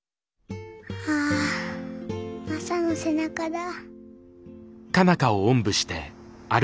ああマサの背中だ。